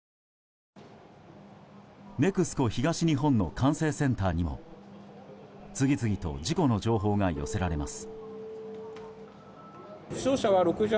ＮＥＸＣＯ東日本の管制センターにも次々と事故の情報が寄せられます。